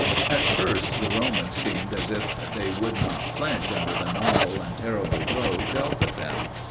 At first, the Romans seemed as if they would not flinch under the novel and terrible blow dealt at them.